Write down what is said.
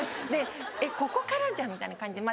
えっここからじゃんみたいな感じで。